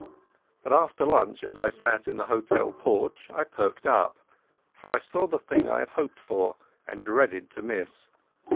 But after lunch, as I sat in the hotel porch, I perked up, for I saw the thing I had hoped for and had dreaded to miss.